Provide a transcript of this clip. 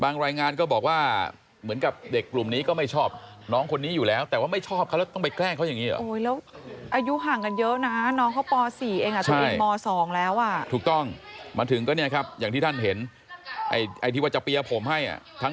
รายงานก็บอกว่าเหมือนกับเด็กกลุ่มนี้ก็ไม่ชอบน้องคนนี้อยู่แล้วแต่ว่าไม่ชอบเขาแล้วต้องไปแกล้งเขาอย่างนี้เหรอ